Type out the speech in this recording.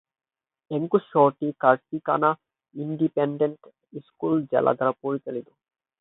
অ্যাঙ্গুস শহরটি করসিকানা independent school জেলা দ্বারা পরিচালিত হয়।